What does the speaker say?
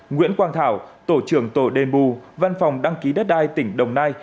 nguyễn quang thảo tổ trưởng tổ đền bù văn phòng đăng ký đất đai tỉnh đồng nai